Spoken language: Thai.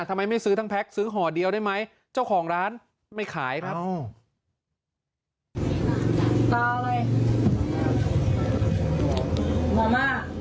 ทำไมไม่ซื้อทั้งแพ็คซื้อห่อเดียวได้ไหมเจ้าของร้านไม่ขายครับ